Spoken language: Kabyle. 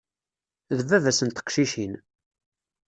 D baba-s n teqcicin.